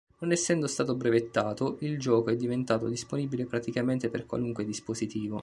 Non essendo stato brevettato, il gioco è diventato disponibile praticamente per qualunque dispositivo.